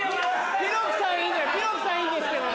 ぴろきさんいいんですけどね。